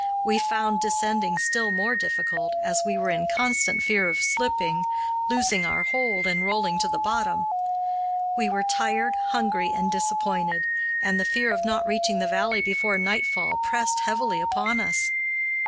We found descending still more difficult, as we were in constant fear of slipping, losing our hold, and rolling to the bottom. We were tired, hungry, and disappointed, and the fear of not reaching the valley before nightfall pressed heavily upon us.